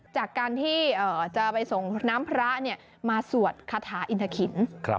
จากการที่จะไปส่งน้ำพระมาสวดคาถาอินทะขิน